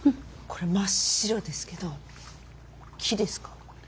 これ真っ白ですけど木ですか？